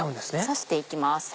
刺していきます。